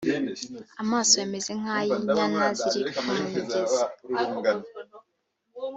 amaso ye ameze nk ay’ inyana ziri ku migezi